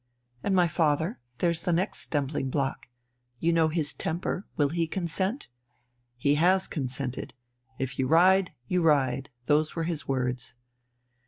"And my father? There's the next stumbling block. You know his temper. Will he consent?" "He has consented. If you ride, you ride. Those were his words...."